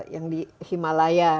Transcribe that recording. yang di himalaya